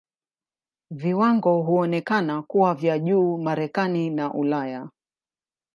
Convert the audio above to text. Viwango huonekana kuwa vya juu Marekani na Ulaya.